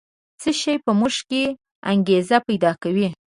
څه شی په موږ کې انګېزه پیدا کوي؟